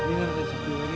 ini kan resipi uangnya